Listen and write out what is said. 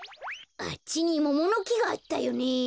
あっちにモモのきがあったよね。